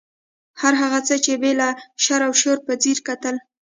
هغه هر څه ته بې له شر او شوره په ځیر کتل.